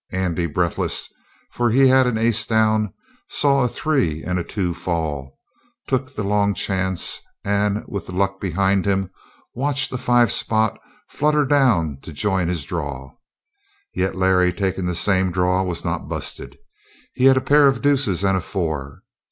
Andy, breathless, for he had an ace down, saw a three and a two fall took the long chance, and, with the luck behind him, watched a five spot flutter down to join his draw. Yet Larry, taking the same draw, was not busted. He had a pair of deuces and a four.